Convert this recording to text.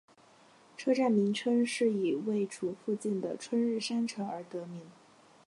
车站名称是以位处附近的春日山城而得名。